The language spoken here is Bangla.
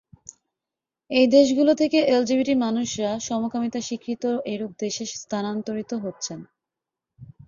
এই দেশগুলো থেকে এলজিবিটি মানুষরা সমকামিতা স্বীকৃত এরূপ দেশে স্থানান্তরিত হচ্ছেন।